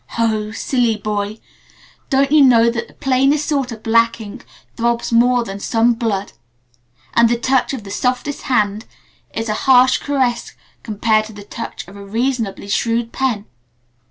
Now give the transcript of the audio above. Ho! Silly boy! Don't you know that the plainest sort of black ink throbs more than some blood and the touch of the softest hand is a harsh caress compared to the touch of a reasonably shrewd pen?